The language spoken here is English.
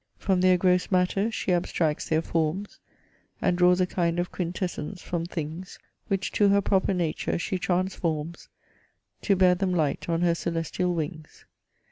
From their gross matter she abstracts their forms, And draws a kind of quintessence from things; Which to her proper nature she transforms To bear them light on her celestial wings.